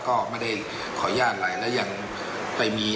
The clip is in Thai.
ก็ไม่ได้ขอหน้าลายแล้วยังไปมี